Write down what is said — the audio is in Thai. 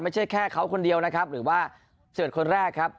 ไม่ใช่แค่เขาคนเดียวนะครับหรือว่าเสิร์ชคนแรกครับ